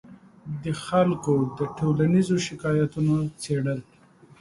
د خلکو د ټولیزو شکایتونو څېړل